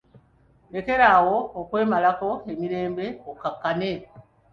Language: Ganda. Lekera awo okwemalako emirembe okkakkane.